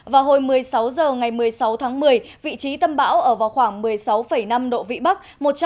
vào hồi một mươi sáu h ngày một mươi sáu tháng một mươi vị trí tâm bão ở vào khoảng một mươi sáu năm độ vĩ bắc